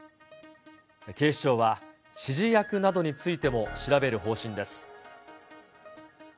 警視庁は指示役などについても、調べる方針です。